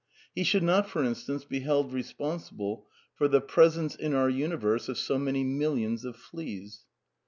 He should not, for instance, be held responsible for the presr ence in our universe of " so many millions of fleas."